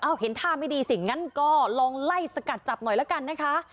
เห็นท่าไม่ดีสิ่งนั้นก็ลองไล่สกัดจับหน่อยละกันนะคะ